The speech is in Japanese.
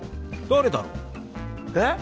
誰だろう？えっ！？